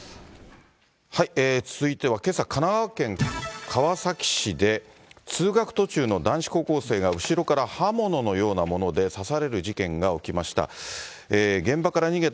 続いては、けさ、神奈川県川崎市で、通学途中の男子高校生が後ろから刃物のようなもので刺される事件が起きました。